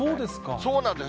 そうなんです。